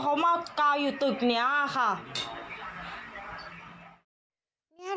เขามากาวอยู่ตึกนี้ค่ะ